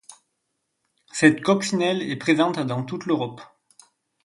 Cette coccinelle est présente dans toute l'Europe.